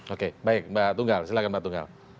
oke baik mbak tunggal silahkan mbak tunggal